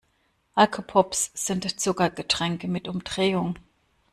Alkopops sind Zuckergetränke mit Umdrehung.